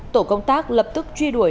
tổ công tác lập tức truy đuổi